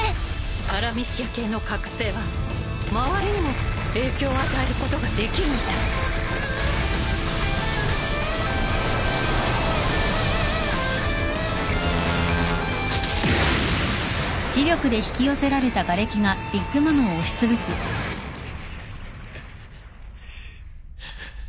［パラミシア系の覚醒は周りにも影響を与えることができるみたい］ハァハァハァ。